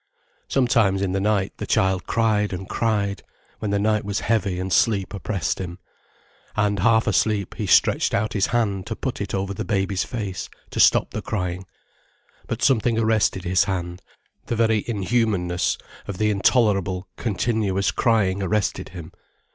Sometimes in the night, the child cried and cried, when the night was heavy and sleep oppressed him. And half asleep, he stretched out his hand to put it over the baby's face to stop the crying. But something arrested his hand: the very inhumanness of the intolerable, continuous crying arrested him.